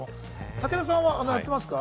武田さんはやってますか？